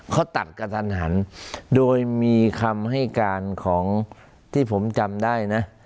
เขาตัดกระทันหันโดยมีคำให้การของที่ผมจำได้นะ